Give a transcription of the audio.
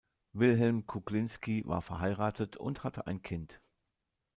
Wilhelm Kuklinski war verheiratet und hatte ein Kind.